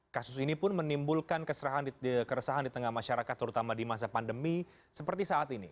kasus ini pun menimbulkan keresahan di tengah masyarakat terutama di masa pandemi seperti saat ini